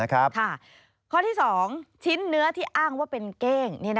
ข้อที่๒ชิ้นเนื้อที่อ้างว่าเป็นเก้ง